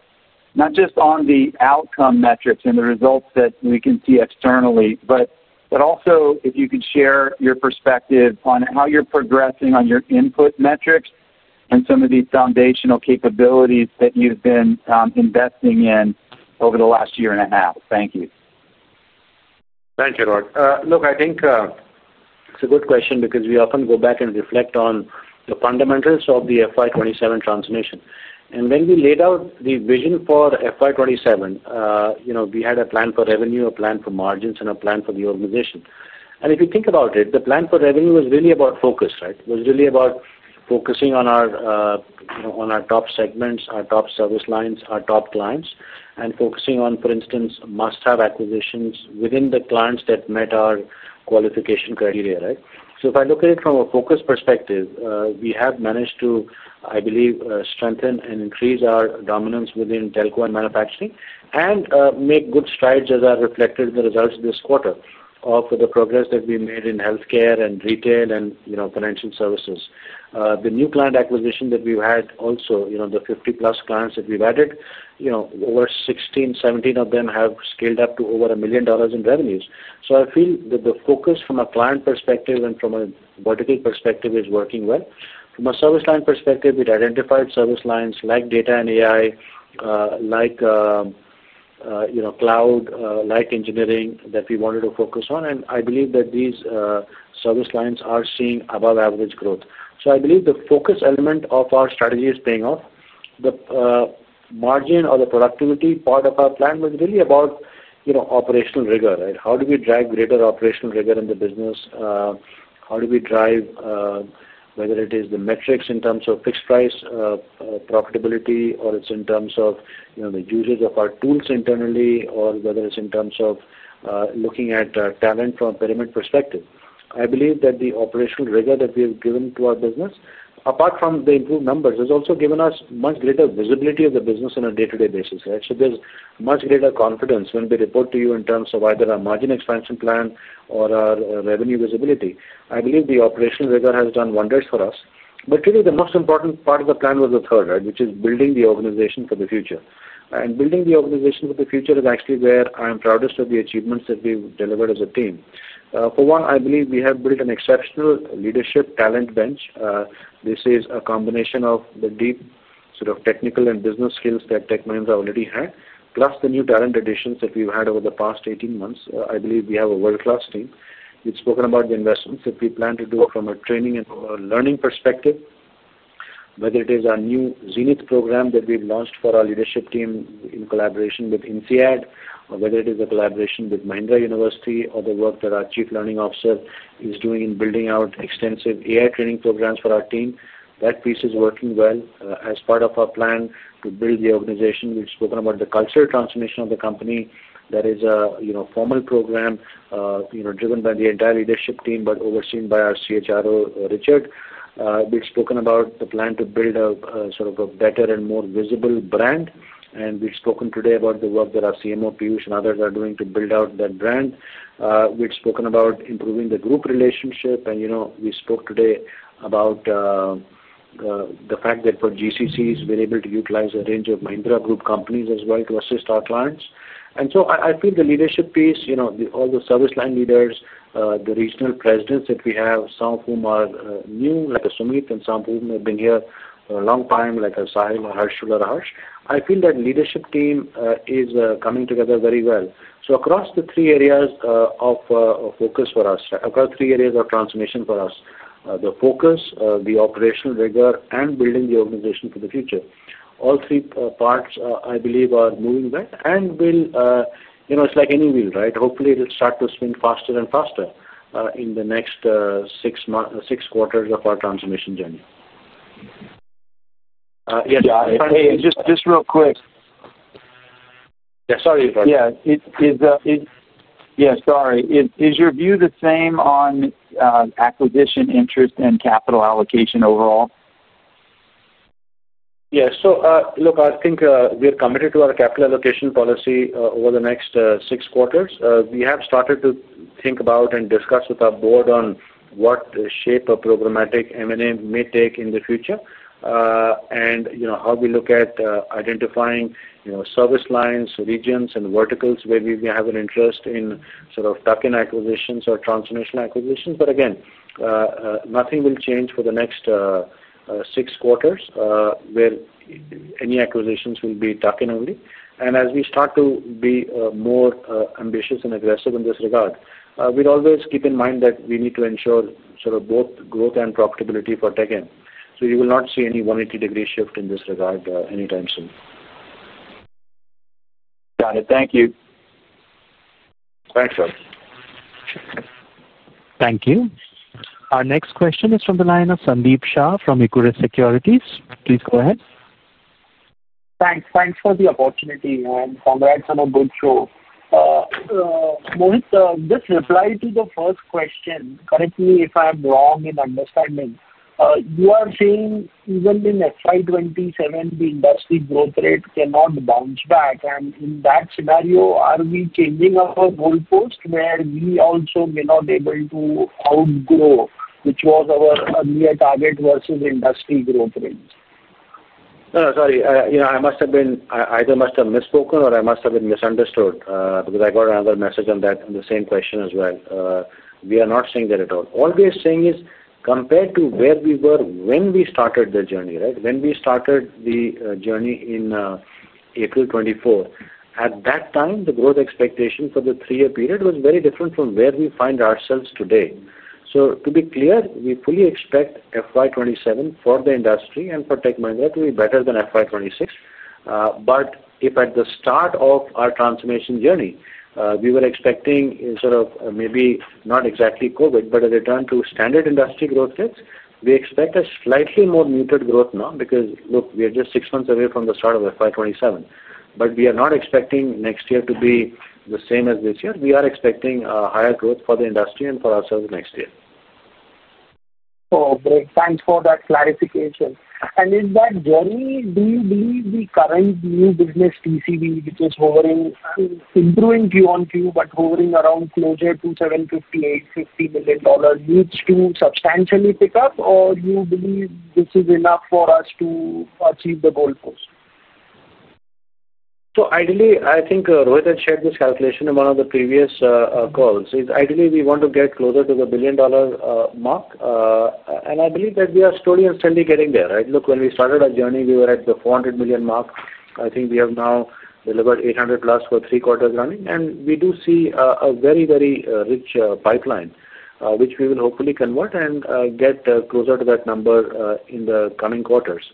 Speaker 2: not just on the outcome metrics and the results that we can see externally, but also if you could share your perspective on how you're progressing on your input metrics and some of these foundational capabilities that you've been investing in over the last year and a half. Thank you. Thank you, Rohit. Look, I think it's a good question because we often go back and reflect on the fundamentals of the FY27 transformation. When we laid out the vision for FY27, we had a plan for revenue, a plan for margins, and a plan for the organization. If you think about it, the plan for revenue was really about focus, right? It was really about focusing on our top segments, our top service lines, our top clients, and focusing on, for instance, must-have acquisitions within the clients that met our qualification criteria, right? If I look at it from a focus perspective, we have managed to, I believe, strengthen and increase our dominance within telco and manufacturing and make good strides as are reflected in the results of this quarter of the progress that we made in healthcare and retail and financial services. The new client acquisition that we've had also, the 50-plus clients that we've added, over 16, 17 of them have scaled up to over $1 million in revenues. I feel that the focus from a client perspective and from a vertical perspective is working well. From a service line perspective, we've identified service lines like data and AI, like cloud, like engineering that we wanted to focus on. I believe that these service lines are seeing above-average growth. I believe the focus element of our strategy is paying off. The margin or the productivity part of our plan was really about operational rigor, right? How do we drive greater operational rigor in the business? How do we drive, whether it is the metrics in terms of fixed price profitability, or it's in terms of the usage of our tools internally, or whether it's in terms of looking at talent from a pyramid perspective? I believe that the operational rigor that we have given to our business, apart from the improved numbers, has also given us much greater visibility of the business on a day-to-day basis, right? There's much greater confidence when we report to you in terms of either our margin expansion plan or our revenue visibility. I believe the operational rigor has done wonders for us. The most important part of the plan was the third, which is building the organization for the future. Building the organization for the future is actually where I'm proudest of the achievements that we've delivered as a team. For one, I believe we have built an exceptional leadership talent bench. This is a combination of the deep sort of technical and business skills that Tech Mahindra already had, plus the new talent additions that we've had over the past 18 months. I believe we have a world-class team. We've spoken about the investments that we plan to do from a training and learning perspective, whether it is our new Zenith program that we've launched for our leadership team in collaboration with INSEAD, or whether it is the collaboration with Mahindra University or the work that our Chief Learning Officer is doing in building out extensive AI training programs for our team. That piece is working well as part of our plan to build the organization. We've spoken about the cultural transformation of the company. That is a formal program, driven by the entire leadership team, but overseen by our CHRO, Richard. We've spoken about the plan to build a sort of a better and more visible brand. We've spoken today about the work that our CMO, Piyush, and others are doing to build out that brand. We've spoken about improving the group relationship. We spoke today about the fact that for GCCs, we're able to utilize a range of Mahindra Group companies as well to assist our clients. I feel the leadership piece, all the service line leaders, the regional presidents that we have, some of whom are new, like Sumit, and some of whom have been here a long time, like Asahim or Harshul or Harsh, I feel that the leadership team is coming together very well. Across the three areas of focus for us, across three areas of transformation for us, the focus, the operational rigor, and building the organization for the future, all three parts, I believe, are moving well. It's like any wheel, right? Hopefully, it'll start to spin faster and faster in the next six months, six quarters of our transformation journey. Hey, just real quick. Yeah, sorry, Rohit. Sorry. Is your view the same on acquisition interest and capital allocation overall? Yeah. I think we're committed to our capital allocation policy over the next six quarters. We have started to think about and discuss with our board on what shape a programmatic M&A may take in the future and how we look at identifying service lines, regions, and verticals where we may have an interest in sort of tuck-in acquisitions or transformational acquisitions. Nothing will change for the next six quarters where any acquisitions will be tuck-in only. As we start to be more ambitious and aggressive in this regard, we'll always keep in mind that we need to ensure both growth and profitability for Tech Mahindra. You will not see any 180-degree shift in this regard anytime soon. Got it. Thank you. Thanks, Rohit. Sure. Thank you. Our next question is from the line of Sandeep Shah from ICICI Securities. Please go ahead. Thanks. Thanks for the opportunity and congrats on a good show. Mohit, just reply to the first question. Correct me if I'm wrong in understanding. You are saying even in FY27, the industry growth rate cannot bounce back. In that scenario, are we changing our goalpost where we also may not be able to outgrow, which was our near target versus industry growth rates? Sorry. I must have been, I either must have misspoken or I must have been misunderstood because I got another message on that in the same question as well. We are not saying that at all. All we are saying is compared to where we were when we started the journey, right? When we started the journey in April 2024, at that time, the growth expectation for the three-year period was very different from where we find ourselves today. To be clear, we fully expect FY27 for the industry and for Tech Mahindra to be better than FY26. If at the start of our transformation journey, we were expecting sort of maybe not exactly COVID, but a return to standard industry growth rates, we expect a slightly more muted growth now because we are just six months away from the start of FY27. We are not expecting next year to be the same as this year. We are expecting a higher growth for the industry and for ourselves next year. Great, thanks for that clarification. Is that journey, do you believe the current new business TCV, which is hovering, improving quarter on quarter, but hovering around closer to $750 million, $850 million, needs to substantially pick up, or do you believe this is enough for us to achieve the goalpost? Ideally, I think Rohit had shared this calculation in one of the previous calls. Ideally, we want to get closer to the billion-dollar mark. I believe that we are slowly and steadily getting there, right? Look, when we started our journey, we were at the $400 million mark. I think we have now delivered $800 million plus for three quarters running. We do see a very, very rich pipeline, which we will hopefully convert and get closer to that number in the coming quarters.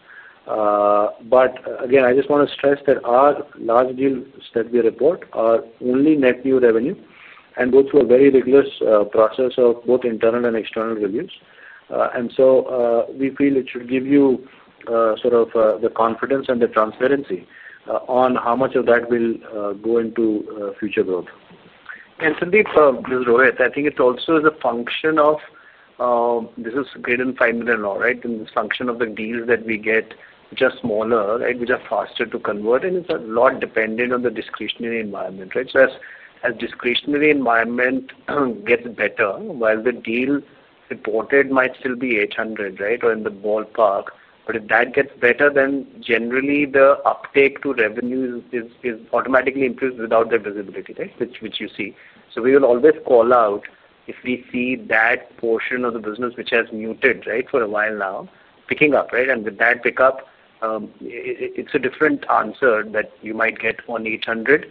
Speaker 2: I just want to stress that our large deals that we report are only net new revenue and go through a very rigorous process of both internal and external reviews. We feel it should give you the confidence and the transparency on how much of that will go into future growth. Sandeep, this is Rohit. I think it also is a function of this is greater than $5 million now, right? It is a function of the deals that we get which are smaller, which are faster to convert. It is a lot dependent on the discretionary environment, right? As discretionary environment gets better, while the deal reported might still be $800 million, or in the ballpark, if that gets better, then generally the uptake to revenue is automatically increased without their visibility, which you see. We will always call out if we see that portion of the business, which has muted, for a while now, picking up. With that pickup, it's a different answer that you might get on $800 million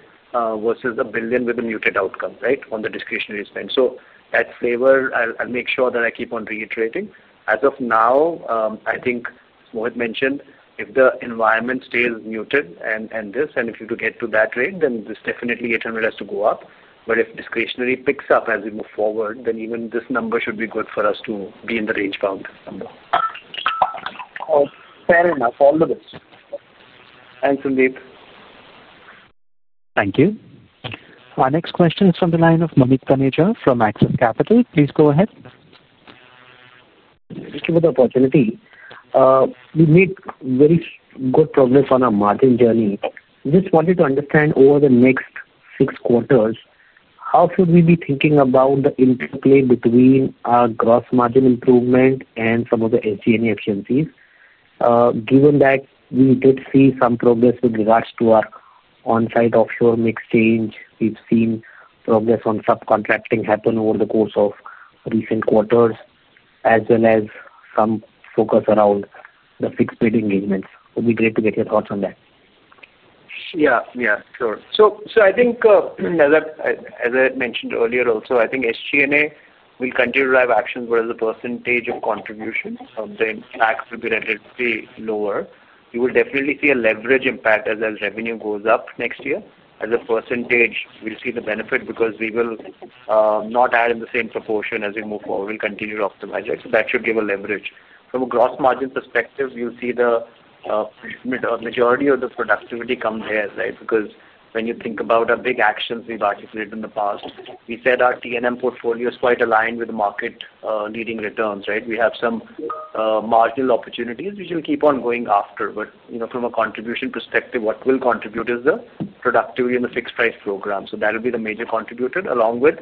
Speaker 2: versus a billion with a muted outcome on the discretionary spend. That flavor, I'll make sure that I keep on reiterating. As of now, I think, as Mohit mentioned, if the environment stays muted and this, and if you do get to that rate, then this definitely $800 million has to go up. If discretionary picks up as we move forward, then even this number should be good for us to be in the range bound number. Oh, fair enough. All the best. Thanks, Sandeep. Thank you. Our next question is from the line of Mohit Joshi from Axis Capital. Please go ahead. Thank you for the opportunity. We made very good progress on our margin journey. I just wanted to understand over the next six quarters, how should we be thinking about the interplay between our gross margin improvement and some of the SG&A efficiencies, given that we did see some progress with regards to our onsite offshore mix change? We've seen progress on subcontracting happen over the course of recent quarters, as well as some focus around the fixed-rate engagements. It would be great to get your thoughts on that. Yeah. Yeah. Sure. I think, as I had mentioned earlier also, SG&A will continue to drive actions, but as a % of contributions, the impact will be relatively lower. You will definitely see a leverage impact as our revenue goes up next year. As a %, we'll see the benefit because we will not add in the same proportion as we move forward. We'll continue to optimize it. That should give a leverage. From a gross margin perspective, you'll see the majority of the productivity come there, right, because when you think about our big actions we've articulated in the past, we said our TNM portfolio is quite aligned with the market-leading returns, right? We have some marginal opportunities which we will keep on going after. From a contribution perspective, what will contribute is the productivity in the fixed-price program. That will be the major contributor along with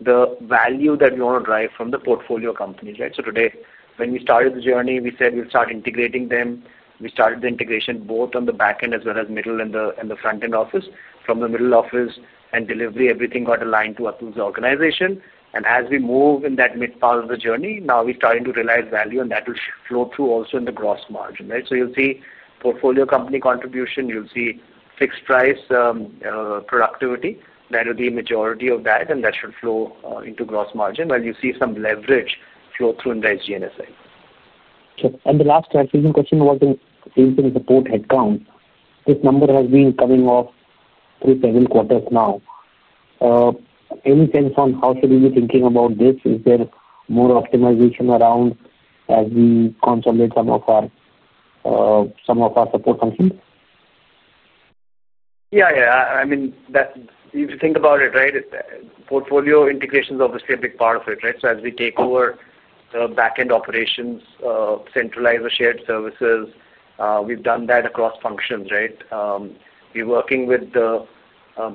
Speaker 2: the value that we want to drive from the portfolio companies, right? Today, when we started the journey, we said we'll start integrating them. We started the integration both on the backend as well as middle and the frontend office. From the middle office and delivery, everything got aligned to Atul's organization. As we move in that mid-part of the journey, now we're starting to realize value, and that will flow through also in the gross margin, right? You'll see portfolio company contribution. You'll see fixed-price productivity. That will be a majority of that, and that should flow into gross margin while you see some leverage flow through into the SG&A side. Sure. The last clarification question about the sales and support headcount. This number has been coming off through several quarters now. Any sense on how should we be thinking about this? Is there more optimization around as we consolidate some of our support functions? Yeah, I mean, if you think about it, portfolio company integration is obviously a big part of it, right? As we take over the backend operations and centralize the shared services, we've done that across functions. We're working with the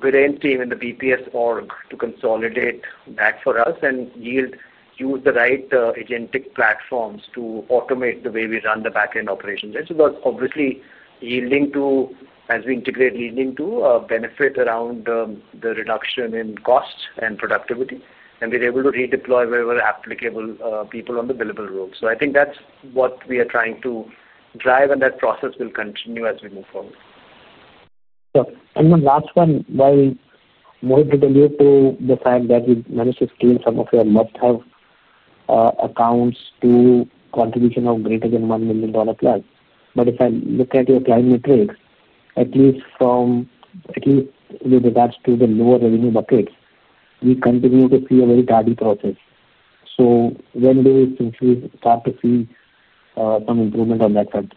Speaker 2: Brand Team and the BPS org to consolidate that for us and use the right agentic platforms to automate the way we run the backend operations, which is obviously yielding to, as we integrate, leading to a benefit around the reduction in cost and productivity. We're able to redeploy wherever applicable people on the billable roll. I think that's what we are trying to drive, and that process will continue as we move forward. Sure. The last one, while Mohit will allude to the fact that we've managed to scale some of your must-have accounts to contribution of greater than $1 million plus, if I look at your client metrics, at least with regards to the lower revenue buckets, we continue to see a very steady process. When do you think you start to see some improvement on that front?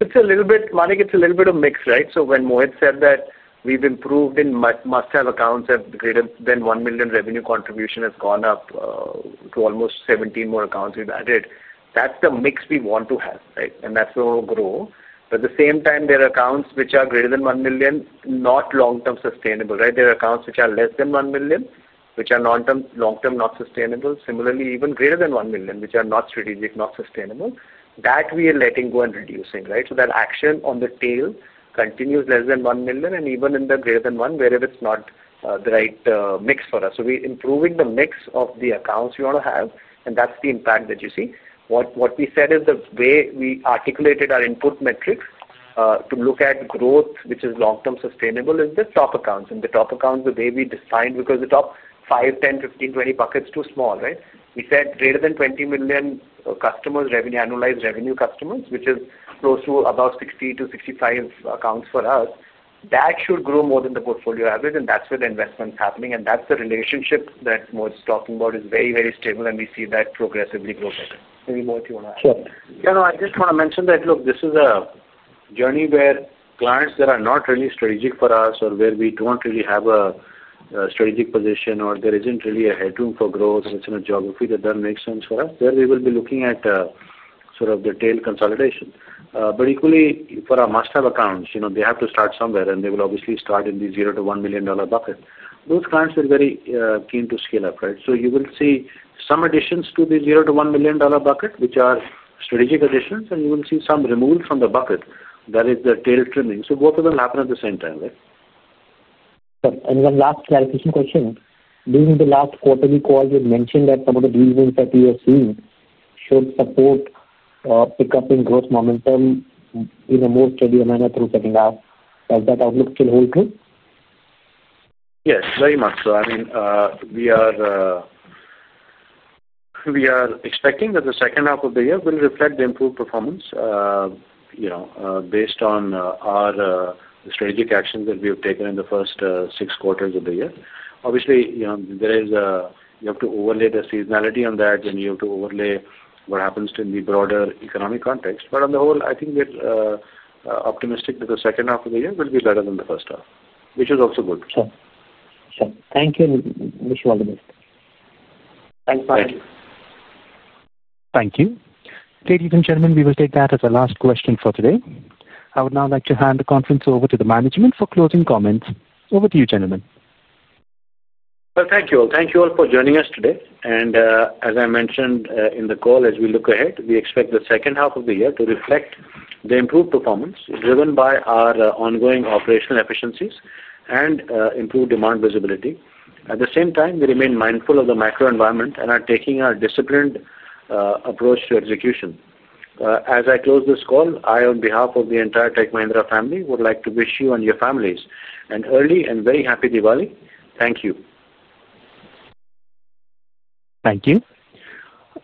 Speaker 2: It's a little bit, Malik, it's a little bit of a mix, right? When Mohit said that we've improved in must-have accounts at greater than $1 million, revenue contribution has gone up to almost 17 more accounts we've added. That's the mix we want to have, right? That's where we'll grow. At the same time, there are accounts which are greater than $1 million, not long-term sustainable, right? There are accounts which are less than $1 million, which are long-term not sustainable. Similarly, even greater than $1 million, which are not strategic, not sustainable, that we are letting go and reducing, right? That action on the tail continues less than $1 million, and even in the greater than $1 million, wherever it's not the right mix for us. We're improving the mix of the accounts we want to have, and that's the impact that you see. What we said is the way we articulated our input metrics to look at growth, which is long-term sustainable, is the top accounts. The top accounts, the way we defined, because the top 5, 10, 15, 20 buckets are too small, right? We said greater than $20 million customers, annualized revenue customers, which is close to about 60 to 65 accounts for us, that should grow more than the portfolio average, and that's where the investment is happening. That's the relationship that Mohit is talking about is very, very stable, and we see that progressively grow better. Maybe Mohit, you want to add? Sure. Yeah. I just want to mention that, look, this is a journey where clients that are not really strategic for us or where we don't really have a strategic position or there isn't really a headroom for growth, and it's in a geography that doesn't make sense for us, there we will be looking at sort of the tail consolidation. Equally, for our must-have accounts, you know they have to start somewhere, and they will obviously start in the $0 to $1 million bucket. Those clients are very keen to scale up, right? You will see some additions to the $0 to $1 million bucket, which are strategic additions, and you will see some removal from the bucket. That is the tail trimming. Both of them will happen at the same time, right? Sure. One last clarification question. During the last quarterly call, you had mentioned that some of the deals that we are seeing should support pickup in gross momentum in a more steady manner through the second half. Does that outlook still hold true? Yes, very much so. I mean, we are expecting that the second half of the year will reflect the improved performance based on our strategic actions that we have taken in the first six quarters of the year. Obviously, you have to overlay the seasonality on that, and you have to overlay what happens in the broader economic context. On the whole, I think we're optimistic that the second half of the year will be better than the first half, which is also good. Sure. Thank you and wish you all the best. Thanks, Mohit. Thank you. Thank you. Ladies and gentlemen, we will take that as the last question for today. I would now like to hand the conference over to the management for closing comments. Over to you, gentlemen. Thank you all for joining us today. As I mentioned in the call, as we look ahead, we expect the second half of the year to reflect the improved performance driven by our ongoing operational efficiencies and improved demand visibility. At the same time, we remain mindful of the macro environment and are taking a disciplined approach to execution. As I close this call, I, on behalf of the entire Tech Mahindra family, would like to wish you and your families an early and very happy Diwali. Thank you. Thank you.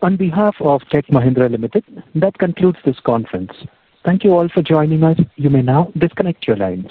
Speaker 2: On behalf of Tech Mahindra Limited, that concludes this conference. Thank you all for joining us. You may now disconnect your lines.